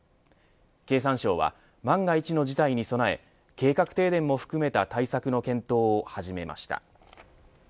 経産省は万が一の事態に備え計画停電も含めた対策の検討を始めました。